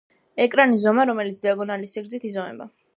ეკრანის ზომა, რომელიც დიაგონალის სიგრძით იზომება.